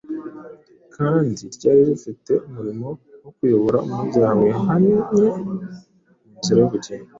kandi ryari rifite umurimo wo kuyobora umunyabyaha wihanye mu nzira y’ubugingo.